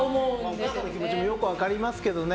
お母さんの気持ちもよく分かりますけどね。